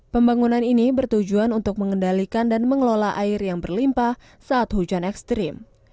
pembangunan ini bertujuan untuk mengendalikan dan mengelola air yang berlimpah saat hujan ekstrim